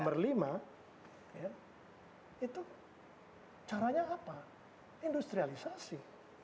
nomor lima itu caranya apa industrialisasi